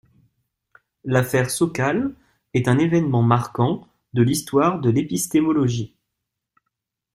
L'affaire Sokal est un événement marquant de l'histoire de l'épistémologie.